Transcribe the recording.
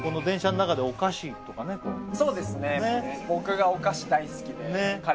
そうですね